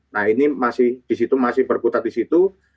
nah ini masih disitu masih berputar disitu